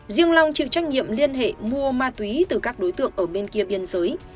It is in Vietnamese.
riêng long chịu trách nhiệm liên hệ mua ma túy từ các đối tượng ở bên kia biên giới